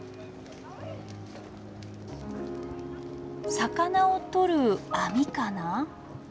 魚を取る網かな。